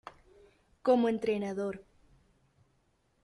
Como entrenador